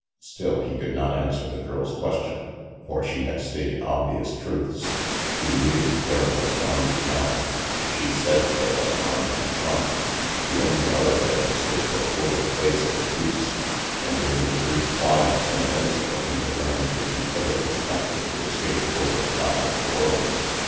Still, he could not answer the girl's question, for she had stated obvious truths. He knew there was an army behind. She said there was an army in front. The only other way of escape was over the face of the buttes; and in his brief climb of some minutes ago he had learned the futility of attempting to escape over the top of the world.